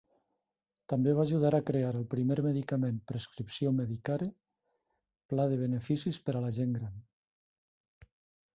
També va ajudar a crear el primer medicament prescripció Medicare pla de beneficis per a la gent gran.